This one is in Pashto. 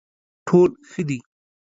ټول ښه دي.